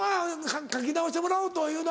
書き直してもらおうというのは。